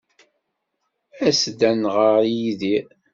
As-d ad as-nɣer i Yidir.